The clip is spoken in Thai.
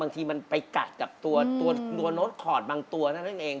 บางทีมันไปกัดกับตัวโน้ตคอร์ดบางตัวเท่านั้นเอง